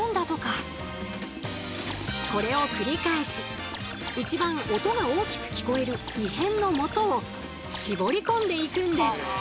これを繰り返し一番音が大きく聞こえる異変のもとを絞り込んでいくんです。